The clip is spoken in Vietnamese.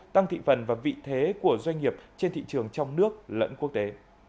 tăng thị phần và vị thế của doanh nghiệp trên thị trường trong nước lẫn quốc tế